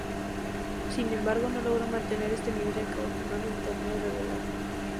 Sin embargo, no logró mantener este nivel y acabó firmando un torneo regular.